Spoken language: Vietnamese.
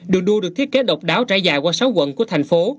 đường đua được thiết kế độc đáo trải dài qua sáu quận của thành phố